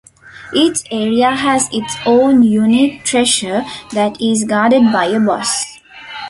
Each area has its own unique treasure that is guarded by a boss.